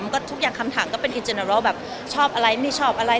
ก็ทุกอย่างคำถามแบบชอบอะไรไม่ชอบอะไร